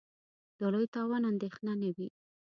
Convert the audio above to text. د لوی تاوان اندېښنه نه وي.